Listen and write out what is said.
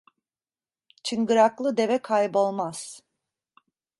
Çıngıraklı deve kaybolmaz.